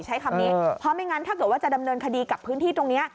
ใช้คำนี้เพราะไม่งั้นถ้าเกิดว่าจะดำเนินคดีกับพื้นที่ตรงนี้